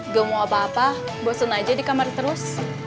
gak mau apa apa bosen aja di kamar terus